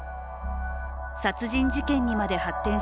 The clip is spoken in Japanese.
殺人事件にまで発展し